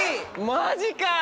マジか！